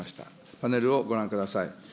パネルをご覧ください。